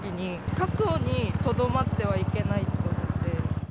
過去に留まってはいけないと思って。